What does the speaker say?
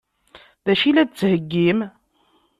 D acu i la d-tettheggim?